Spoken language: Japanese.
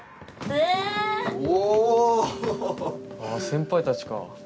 あぁ先輩たちか。